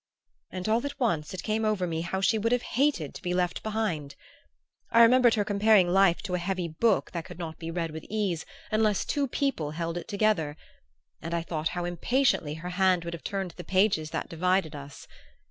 And all at once it came over me how she would have hated to be left behind! I remembered her comparing life to a heavy book that could not be read with ease unless two people held it together; and I thought how impatiently her hand would have turned the pages that divided us!